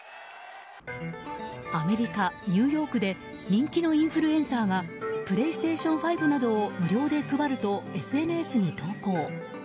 アメリカ・ニューヨークで人気のインフルエンサーがプレイステーション５などを無料で配るとＳＮＳに投稿。